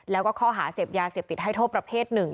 แล้วก็ข้อหาเสพยาเสพติดให้โทษประเภทหนึ่ง